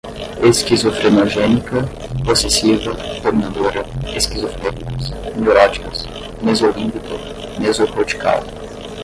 esquizofrenogénica, possessiva, dominadora, esquizofrênicas, neuróticas, mesolímbica, mesocortical